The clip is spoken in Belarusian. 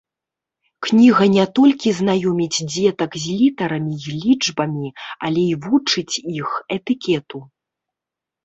Кніга не толькі знаёміць дзетак з літарамі і лічбамі, але і вучыць іх этыкету.